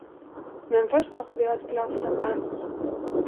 Men först måste vi ha ett glas champagne!